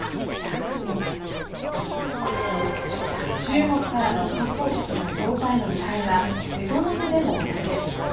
中国からの観光客の増加への期待はベトナムでも同じです。